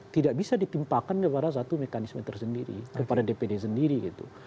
tidak bisa ditimpakan kepada satu mekanisme tersendiri kepada dpd sendiri gitu